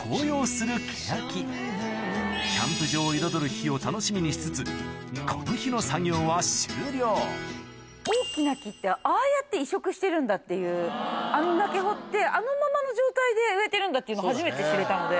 巨大なしつつこの日の作業は終了大きな木ってああやって移植してるんだって穴だけ掘ってあのままの状態で植えてるんだっていうの初めて知れたので。